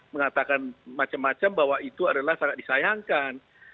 mengatakan macam macam bahwa itu adalah sangat disayangkan